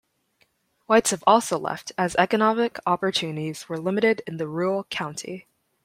Whites have also left as economic opportunities were limited in the rural county.